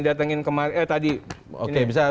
datangkan kemarin eh tadi oke bisa